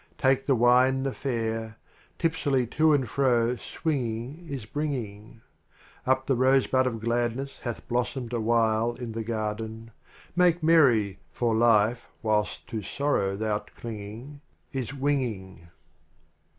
Take the Wine the fair; lipsily to and fro swinging i& bring ing. Up the rose hud of gladness hath blossomed awhile En the garden Make merry, for life, whilst to sorrow thou'rt clinging, is winging.